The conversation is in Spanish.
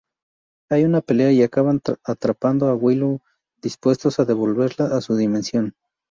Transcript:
Hay una pelea y acaban atrapando a Willow, dispuestos a devolverla a su dimensión.